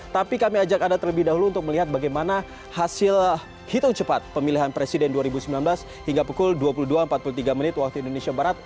tapi kami ajak anda terlebih dahulu untuk melihat bagaimana hasil hitung cepat pemilihan presiden dua ribu sembilan belas hingga pukul dua puluh dua empat puluh tiga menit waktu indonesia barat